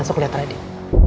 tentang pengawasan radit